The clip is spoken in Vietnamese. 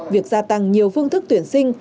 việc gia tăng nhiều phương thức tuyển sinh